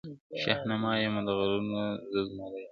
شهنشاه یمه د غرونو زه زمری یم-